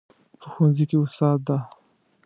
په ښوونځي کې استاد ده